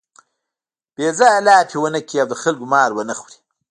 بې ځایه لاپې و نه کړي او د خلکو مال و نه خوري.